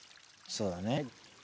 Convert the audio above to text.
そうだね。